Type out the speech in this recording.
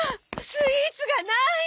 スイーツがない！